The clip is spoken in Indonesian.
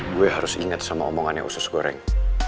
gue harus ingat sama omongannya usus goreng